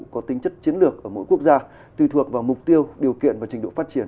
có tính chất chiến lược ở mỗi quốc gia tùy thuộc vào mục tiêu điều kiện và trình độ phát triển